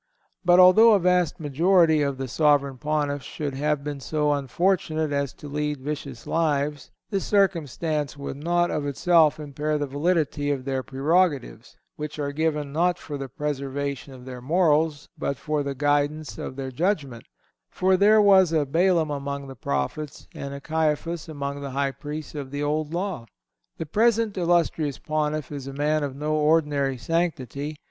But although a vast majority of the Sovereign Pontiffs should have been so unfortunate as to lead vicious lives, this circumstance would not of itself impair the validity of their prerogatives, which are given not for the preservation of their morals, but for the guidance of their judgment; for, there was a Balaam among the Prophets, and a Caiphas among the High Priests of the Old Law. The present illustrious Pontiff is a man of no ordinary sanctity.